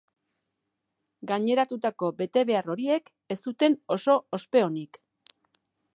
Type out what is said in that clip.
Gaineratutako betebehar horiek ez zuten oso ospe onik.